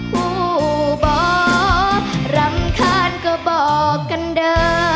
ผู้บ่รำคาญก็บอกกันเด้อ